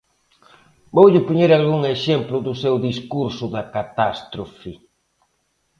Voulle poñer algún exemplo do seu discurso da catástrofe.